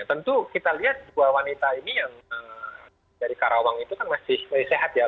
tentu kita lihat dua wanita ini yang dari karawang itu kan masih sehat ya